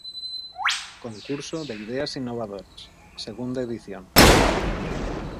Concurso de Ideas Innovadoras, segunda edición.